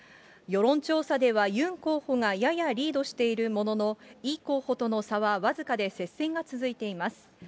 世論調査ではユン候補がややリードしているものの、イ候補との差は僅かで接戦が続いています。